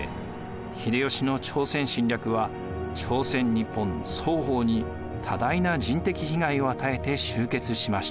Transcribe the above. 秀吉の朝鮮侵略は朝鮮日本双方に多大な人的被害を与えて終結しました。